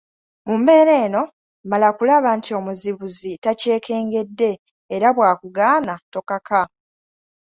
Mu mbeera eno; mala kulaba nti omuzibuzi takyekengedde, era bw’akugaana tokaka